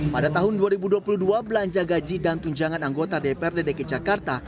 pada tahun dua ribu dua puluh dua belanja gaji dan tunjangan anggota dprd dki jakarta